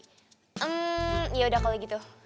hmm yaudah kalo gitu